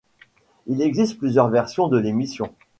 Il existe plusieurs versions de l'émission.